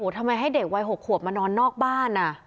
ทำไมให้เด็กวัย๖ขวบมานอนนอกบ้าน